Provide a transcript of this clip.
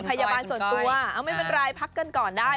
พยาบาลส่วนตัวเอาไม่เป็นไรพักกันก่อนได้